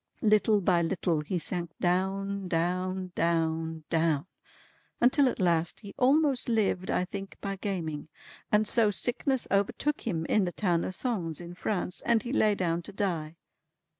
Little by little he sank down, down, down, down, until at last he almost lived (I think) by gaming. And so sickness overtook him in the town of Sens in France, and he lay down to die.